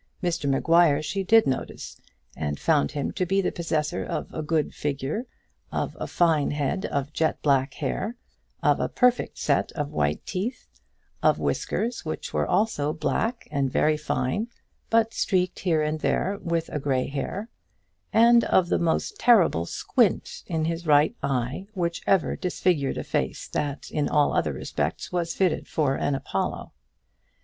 Mr Maguire she did notice, and found him to be the possessor of a good figure, of a fine head of jet black hair, of a perfect set of white teeth, of whiskers which were also black and very fine, but streaked here and there with a grey hair, and of the most terrible squint in his right eye which ever disfigured a face that in all other respects was fitted for an Apollo.